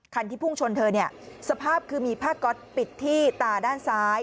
คันที่พุ่งชนเธอเนี่ยสภาพคือมีผ้าก๊อตปิดที่ตาด้านซ้าย